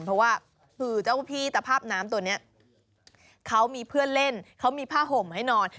เพราะว่าคือเจ้าพี่ตภาพน้ำตัวนี้เขามีเพื่อนเล่นเขามีผ้าห่มให้นอน